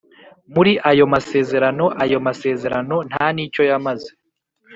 Muri ayo masezerano ayo masezerano nta n icyo yamaze